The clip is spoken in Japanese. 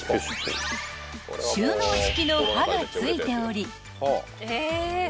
［収納式の刃がついており］